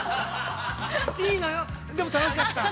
いいのよ、でも楽しかった？